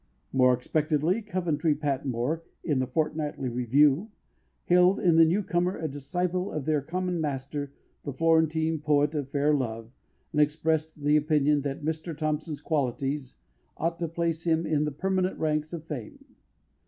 More expectedly, Coventry Patmore, in The Fortnightly Review, hailed in the new comer a disciple of their common master, the Florentine Poet of Fair Love, and expressed the opinion that "Mr Thompson's qualities ought to place him in the permanent ranks of fame."